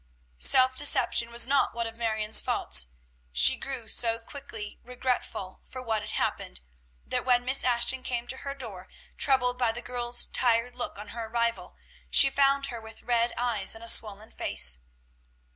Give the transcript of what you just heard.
Self deception was not one of Marion's faults; she grew so quickly regretful for what had happened, that when Miss Ashton came to her door, troubled by the girl's tired look on her arrival, she found her with red eyes and a swollen face.